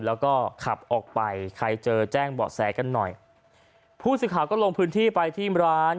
แล้วก็ขับออกไปใครเจอแจ้งเบาะแสกันหน่อยผู้สื่อข่าวก็ลงพื้นที่ไปที่ร้าน